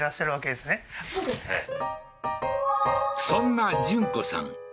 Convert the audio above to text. そんな順子さん